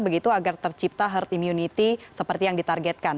begitu agar tercipta herd immunity seperti yang ditargetkan